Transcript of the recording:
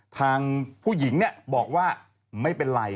ทางผู้หญิงบอกว่าไม่เป็นไร